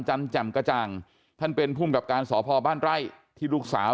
แจ่มกระจ่างท่านเป็นภูมิกับการสพบ้านไร่ที่ลูกสาว